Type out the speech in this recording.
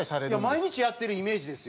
毎日やってるイメージですよ。